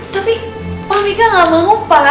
tapi pak mika gak mau pak